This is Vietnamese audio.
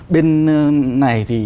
bên này thì